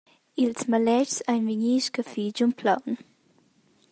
Ils maletgs ein vegni scaffi giun plaun.